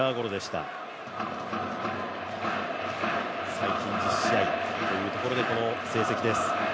最近１０試合というところでこの成績です。